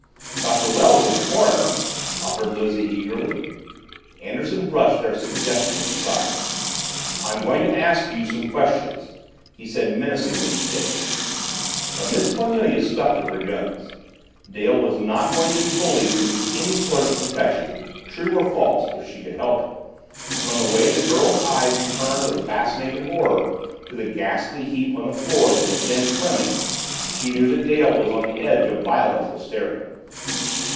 "Doctor Wells is the coroner," offered Lizzie eagerly. Anderson brushed their suggestions aside. "I'm going to ask you some questions!" he said menacingly to Dale. But Miss Cornelia stuck to her guns. Dale was not going to be bullied into any sort of confession, true or false, if she could help it and from the way that the girl's eyes returned with fascinated horror to the ghastly heap on the floor that had been Fleming, she knew that Dale was on the edge of violent hysteria.